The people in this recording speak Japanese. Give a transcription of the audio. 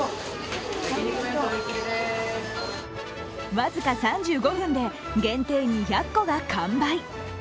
僅か３５分で限定２００個が完売。